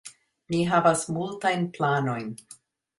Ni havas multajn planojn.